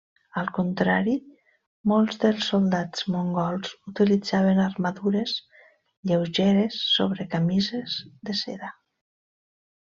Al contrari, molts dels soldats mongols utilitzaven armadures lleugeres sobre camises de seda.